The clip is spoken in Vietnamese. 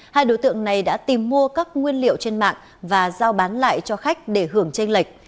hai đối tượng này đã tìm mua các nguyên liệu trên mạng và giao bán lại cho khách để hưởng tranh lệch